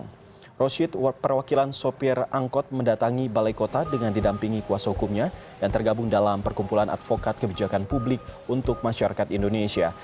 selanjutnya perwakilan sopir angkot mendatangi balai kota dengan didampingi kuasa hukumnya yang tergabung dalam perkumpulan advokat kebijakan publik untuk masyarakat indonesia